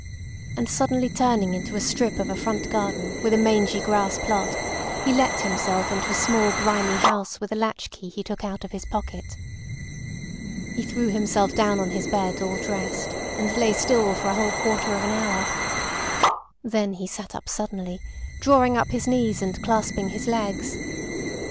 And suddenly turning into a strip of a front garden with a mangy grass plot, he let himself into a small grimy house with a latch key he took out of his pocket. He threw himself down on his bed all dressed, and lay still for a whole quarter of an hour. Then he sat up suddenly, drawing up his knees, and clasping his legs.